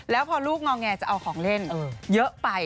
แล้วพอลูกงอแงจะเอาของเล่นเยอะไป